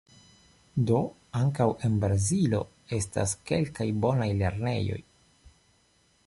Do ankaŭ en Brazilo estas kelkaj bonaj lernejoj.